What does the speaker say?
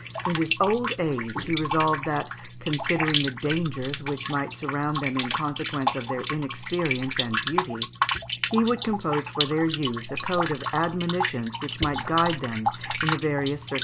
In his old age, he resolved that, considering the dangers which might surround them in consequence of their inexperience and beauty, he would compose for their use a code of admonitions which might guide them in the various circumstances of life.